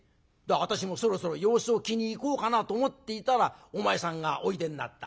私もそろそろ様子を聞きに行こうかなと思っていたらお前さんがおいでになった。